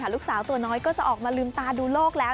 ลูกสาวตัวน้อยก็จะออกมาลืมตาดูโลกแล้ว